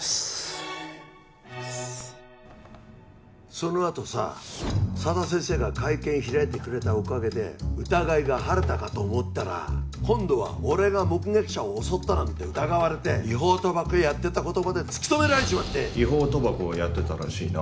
そのあとさ佐田先生が会見開いてくれたおかげで疑いが晴れたかと思ったら今度は俺が目撃者を襲ったなんて疑われて違法賭博やってたことまで突き止められちまって・違法賭博をやってたらしいな